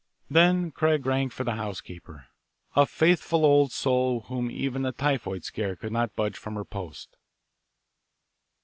Then Craig rang for the housekeeper, a faithful old soul whom even the typhoid scare could not budge from her post.